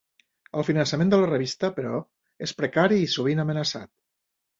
El finançament de la revista, però, és precari i sovint amenaçat.